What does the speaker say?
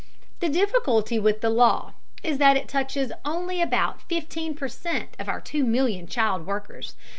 The difficulty with the law is that it touches only about fifteen per cent of our two million child workers.